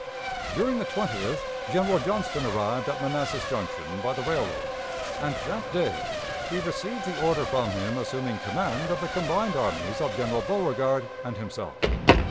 "During the 20th General Johnston arrived at Manassas Junction by the railroad, and that day we received the order from him assuming command of the combined armies of General Beauregard and himself.